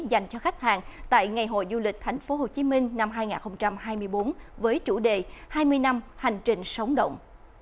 dành cho khách hàng tại ngày hội du lịch tp hcm năm hai nghìn hai mươi bốn với chủ đề hai mươi năm hành trình sống động